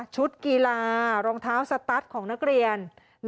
กีฬารองเท้าสตัสของนักเรียน